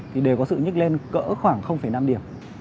thì đều có sự nhức lên cỡ khoảng năm điểm